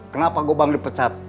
kenapa gobang dipecat